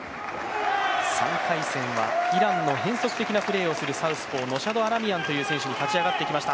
３回戦はイランの変則的なプレーをするサウスポー、ノシャド・アラミヤンという選手が勝ち上がってきました。